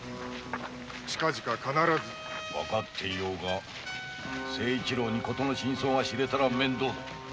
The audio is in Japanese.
わかっていようが誠一郎に事の真相が知れたら面倒だ。